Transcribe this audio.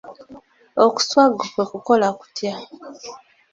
Okuswaga kwe kukola kutya?